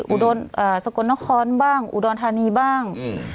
อุดรณ์ทานีบ้าง